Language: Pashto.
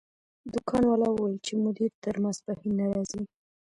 دکان والا وویل چې مدیر تر ماسپښین نه راځي.